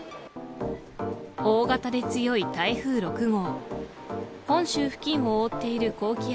大型で強い台風６号。